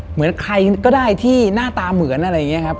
เหมือนใครก็ได้ที่หน้าตาเหมือนอะไรอย่างนี้ครับ